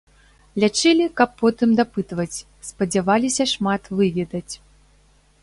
Лячылі, каб потым дапытваць, спадзяваліся шмат выведаць.